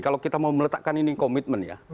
kalau kita mau meletakkan ini komitmen ya